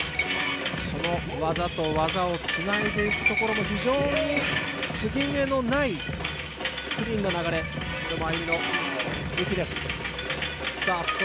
その技と技をつないでいくところも非常に切れ目のないクリーンな流れ、それもＡＹＵＭＩの武器です。